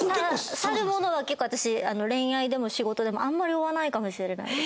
去る者は結構私恋愛でも仕事でもあんまり追わないかもしれないです。